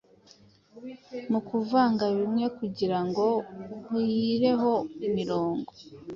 Mu kuvanga bimwe kugirango uhyireho imirongo